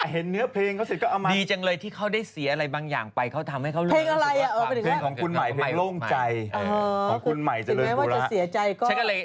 ของคุณใหม่จะเราอยู่แล้วสิ่งนี้ว่าจะเสียใจก็